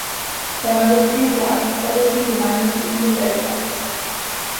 Er war Mitglied der Appenzellischen Gemeinnützigen Gesellschaft.